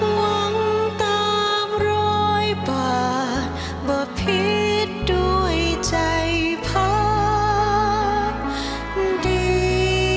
หวังตามร้อยป่ามาพิษด้วยใจพักดี